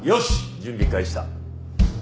準備開始だ。